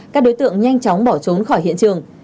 các đối tượng nhanh chóng bỏ trốn khỏi hiện trường